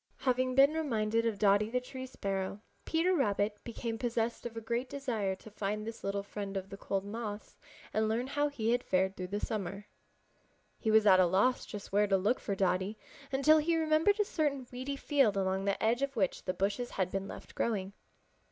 Having been reminded of Dotty the Tree Sparrow, Peter Rabbit became possessed of a great desire to find this little friend of the cold months and learn how he had fared through the summer. He was at a loss just where to look for Dotty until he remembered a certain weedy field along the edge of which the bushes had been left growing.